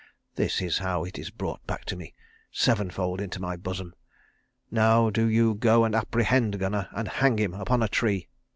This is how it is brought back to me, sevenfold into my bosom. Now do you go and apprehend Gunnar, and hang him up on a tree.